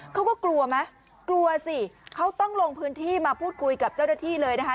เขาก็กลัวไหมกลัวสิเขาต้องลงพื้นที่มาพูดคุยกับเจ้าหน้าที่เลยนะคะ